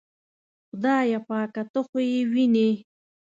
خدایه پاکه ته خو یې وینې.